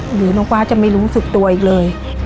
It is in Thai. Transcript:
หรือน้องฟ้าจะไม่รู้สึกตัวอีกเลย